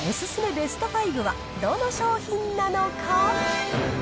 ベスト５は、どの商品なのか。